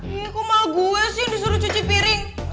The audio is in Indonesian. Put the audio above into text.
ini kok malah gue sih yang disuruh cuci piring